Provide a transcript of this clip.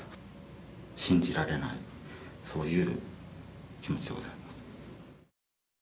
信じられない、そういう気持ちでございます。